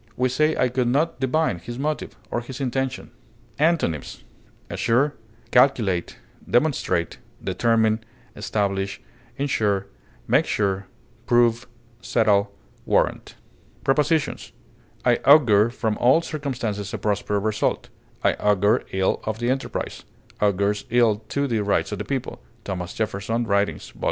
We say I could not divine his motive, or his intention. Antonyms: assure, demonstrate, establish, make sure, settle, calculate, determine, insure, prove, warrant. Prepositions: I augur from all circumstances a prosperous result; I augur ill of the enterprise; "augurs ill to the rights of the people," THOMAS JEFFERSON Writings vol.